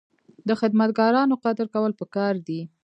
د خدمتګارانو قدر کول پکار دي.